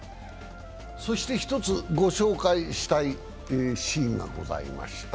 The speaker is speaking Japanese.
そして一つご紹介したいシーンがございました